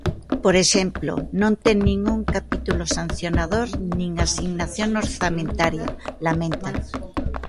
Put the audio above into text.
Por exemplo, non ten nin un capítulo sancionador nin asignación orzamentaria, lamenta.